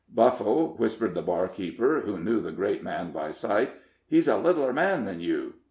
"Buffle," whispered the barkeeper, who knew the great man by sight, "he's a littler man than you."